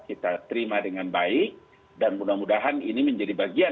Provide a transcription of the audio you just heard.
kita terima dengan baik dan mudah mudahan ini menjadi bagian